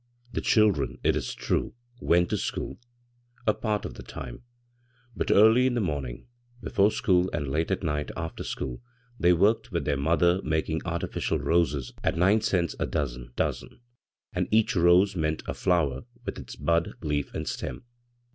The children, it is true, went to school — a part of the time ; but early in the morning before school and late at nig^t after school they worked with their mother making artificial roses at nine cents a dozen dozen — and each rose meant a flower with its bud, leaf and stem.